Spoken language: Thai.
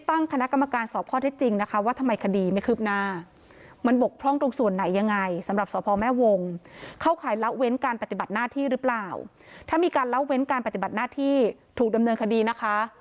ถ้ามีการเล่าเว้นการปฏิบัติหน้าที่ที่ถูกดำเนินคดีนะคะ